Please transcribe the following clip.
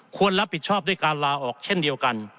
ควรรับผิดชอบด้วยการลาออกเช่นเดียวกัน